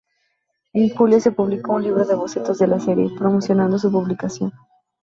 En julio se publicó un libro de bocetos de la serie, promocionando su publicación.